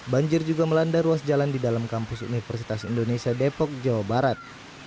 banjir juga melanda ruas jalan di dalam kampus universitas indonesia depok jawa barat